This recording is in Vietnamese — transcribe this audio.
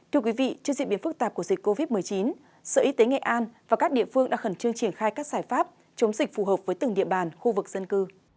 thưa quý vị trước diễn biến phức tạp của dịch covid một mươi chín sở y tế nghệ an và các địa phương đã khẩn trương triển khai các giải pháp chống dịch phù hợp với từng địa bàn khu vực dân cư